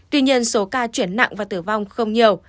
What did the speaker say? tuy nhiên số ca chuyển nặng và tử vong không nhiều